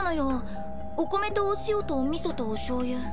お米とお塩とお味噌とおしょうゆ。